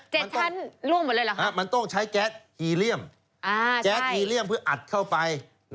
เจ็ดชันรั่วหมดเลยหรอครับมันต้องใช้แก๊สฮีเรียมเพื่ออัดเข้าไป